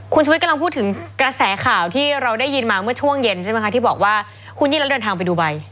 คุณชุวิตกำลังพูดถึงกระแสข่าวที่เราได้ยินมาเมื่อช่วงเย็นใช่ไหมคะที่บอกว่าคุณยิ่งแล้วเดินทางไปดูใบ